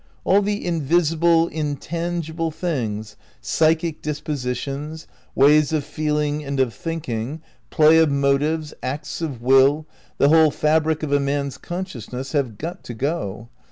All the invisible, intangible things: psychic disposi tions, ways of feeling and of thinking; play of motives, acts of will, the whole fabric of a man's consciousness have got to go.